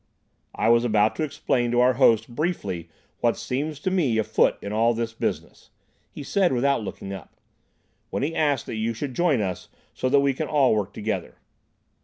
"I was about to explain to our host briefly what seems to me afoot in all this business," he said without looking up, "when he asked that you should join us so that we can all work together."